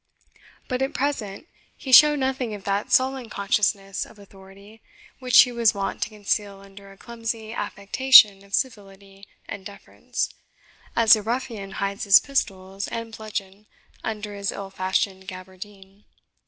But at present he showed nothing of that sullen consciousness of authority which he was wont to conceal under a clumsy affectation of civility and deference, as a ruffian hides his pistols and bludgeon under his ill fashioned gaberdine.